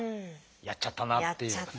やっちゃったなっていう。